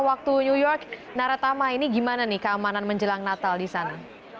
waktu new york naratama ini gimana nih keamanan menjelang natal di sana